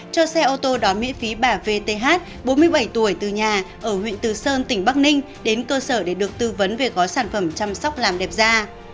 cho xe ô tô đón miễn phí bà vth bốn mươi bảy tuổi từ nhà ở huyện từ sơn tỉnh bắc ninh đến cơ sở để được tư vấn về gói sản phẩm chăm sóc làm đẹp da